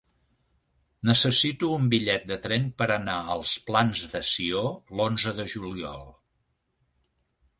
Necessito un bitllet de tren per anar als Plans de Sió l'onze de juliol.